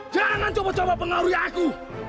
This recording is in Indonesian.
jangan coba coba pengaruhi aku